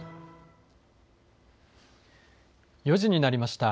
４時になりました。